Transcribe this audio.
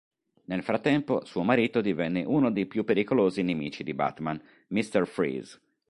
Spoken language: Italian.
Nel frattempo, suo marito divenne uno dei più pericolosi nemici di Batman, Mr. Freeze.